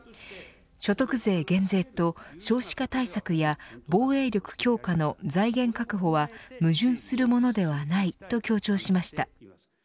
所得税減税と少子化対策や防衛力強化の財源確保は矛盾するものではないと強調しました。